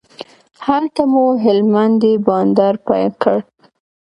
هلته مو هلمندی بانډار پیل کړ.